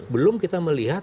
belum kita melihat